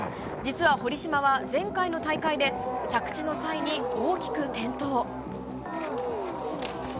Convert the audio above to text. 実は堀島は前回の大会で着地の際に大きく転倒。